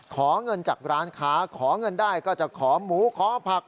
ขอเงินจากร้านค้าขอเงินได้ก็จะขอหมูขอผัก